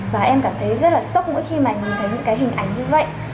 và em cảm thấy rất là sốc mỗi khi nhìn thấy những hình ảnh như thế này